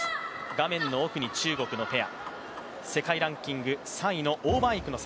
画面の奥に中国のペア。